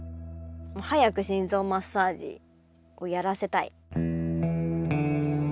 早く心臓マッサージをやらせたい。